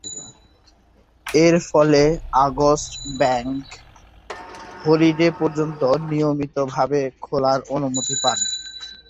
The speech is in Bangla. এরফলে আগস্ট ব্যাংক হলিডে পর্যন্ত নিয়মিতভাবে খেলার অনুমতি পান।